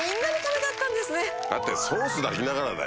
だってソース抱きながらだよ。